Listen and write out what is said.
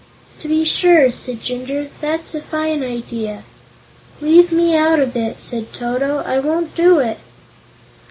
"To be sure!" cried Jinjur. "That's a fine idea." "Leave me out of it," said Toto. "I won't do it."